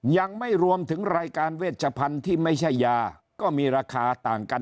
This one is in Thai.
ยังไม่รวมถึงรายการเวชพันธุ์ที่ไม่ใช่ยาก็มีราคาต่างกัน